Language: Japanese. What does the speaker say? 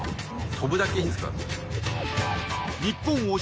飛ぶだけいいんですか？